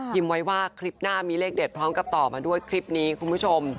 ไว้ว่าคลิปหน้ามีเลขเด็ดพร้อมกับต่อมาด้วยคลิปนี้คุณผู้ชม